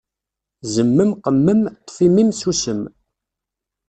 Zemmem qemmem, ṭṭef immi-m sussem.